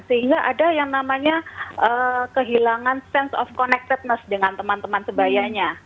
sehingga ada yang namanya kehilangan sense of connectedness dengan teman teman sebayanya